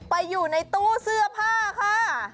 ไปอยู่ในตู้เสื้อผ้าค่ะ